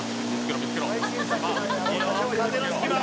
見付けろ！